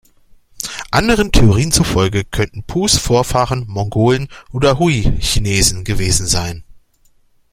Anderen Theorien zufolge könnten Pus Vorfahren Mongolen oder Hui-Chinesen gewesen sein.